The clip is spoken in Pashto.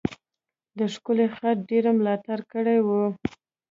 د ښکلی خط ډیر ملاتړ کړی و.